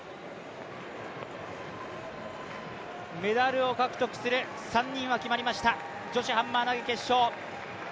メダルを獲得する３人は決まりました、女子ハンマー投決勝。